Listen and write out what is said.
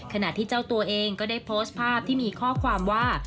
ขณะที่เจ้าตัวเองก็ได้โพสต์ภาพที่มีข้อความว่า